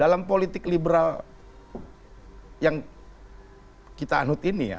karena politik liberal yang kita anut ini ya